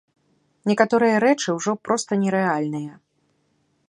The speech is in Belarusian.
Некаторыя рэчы ўжо проста нерэальныя.